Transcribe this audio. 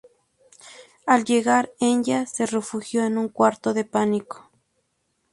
Al llegar, Enya se refugió en un cuarto de pánico.